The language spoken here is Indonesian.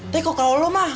tapi kok kaul lo mah